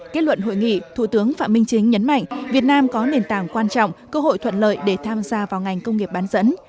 kết luận hội nghị thủ tướng phạm minh chính nhấn mạnh việt nam có nền tảng quan trọng cơ hội thuận lợi để tham gia vào ngành công nghiệp bán dẫn